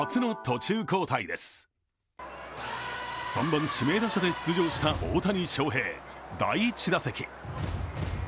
３番・指名打者で出場した大谷翔平、第１打席。